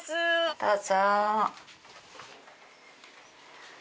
どうぞ。